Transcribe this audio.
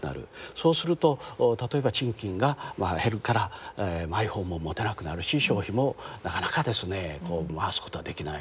そうすると例えば賃金が減るからマイホームも持てなくなるし消費もなかなかですね回すことができない。